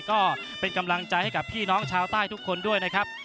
ก็เป็นกำลังใจให้กับพี่น้องชาวใต้ทุกคนด้วยนะครับ